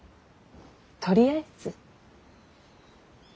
とりあえず。